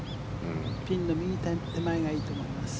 ピンの右手前がいいと思います。